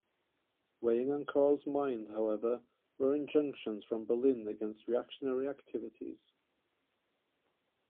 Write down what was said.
Weighing on Kahr's mind however, were injunctions from Berlin against reactionary activities.